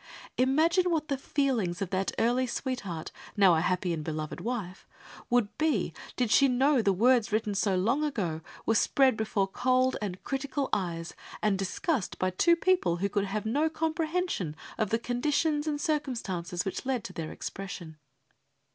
Imagine what the feelings of that early sweetheart, now a happy and beloved wife, would be, did she know the words written so long ago were spread before cold and critical eyes, and discussed by two people who could have no comprehension of the conditions and circumstances which led to their expression.